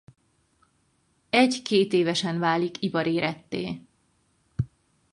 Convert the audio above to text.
Egy-kétévesen válik ivaréretté.